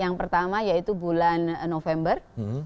yang pertama yaitu bulan november dua ribu enam belas